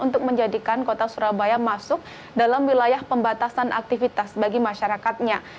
untuk menjadikan kota surabaya masuk dalam wilayah pembatasan aktivitas bagi masyarakatnya